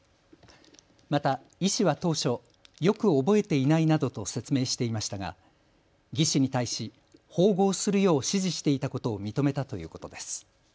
また医師は当初、よく覚えていないなどと説明していましたが、技士に対し縫合するよう指示していたことを認めたということです。